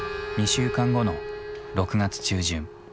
２週間後の６月中旬。